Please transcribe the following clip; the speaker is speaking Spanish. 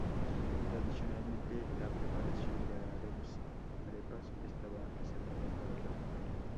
Tradicionalmente, la preparación de arepas estaba reservada para las mujeres.